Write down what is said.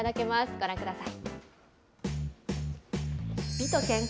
ご覧ください。